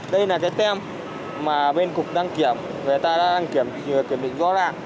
đây là cái tem mà bên cục đăng kiểm người ta đã đăng kiểm kiểm định rõ ràng